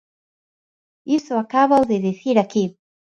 Iso acábao de dicir aquí.